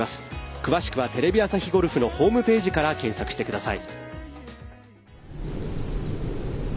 詳しくは、テレビ朝日ゴルフのホームページから検索してください。